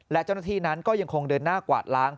และเจ้าหน้าที่นั้นก็ยังคงเดินหน้ากวาดล้าง